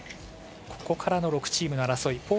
ここからの６チームの争い。